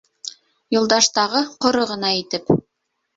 Юлдаш тағы, ҡоро ғына итеп: